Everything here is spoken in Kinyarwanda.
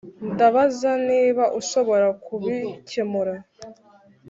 ndabaza niba ushobora kubikemura.